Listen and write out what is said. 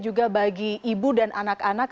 juga bagi ibu dan anak anak